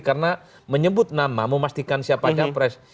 karena menyebut nama memastikan siapa capres